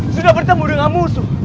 sudah bertemu dengan musuh